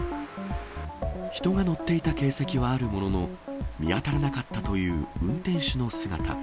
人が乗っていた形跡はあるものの、見当たらなかったという運転手の姿。